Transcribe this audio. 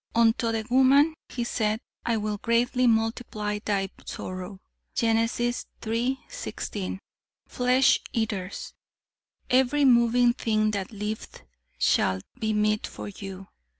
'Unto the woman He said, I will greatly multiply thy sorrow.' Gen. iii, 16. "Flesh Eaters. 'Every moving thing that liveth shall be meat for you.'